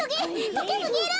とけすぎる。